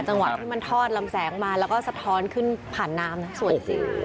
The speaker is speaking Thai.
จังหวะที่มันทอดลำแสงมาแล้วก็สะท้อนขึ้นผ่านน้ำนะสวยจริง